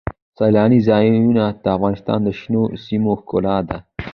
سیلانی ځایونه د افغانستان د شنو سیمو ښکلا ده.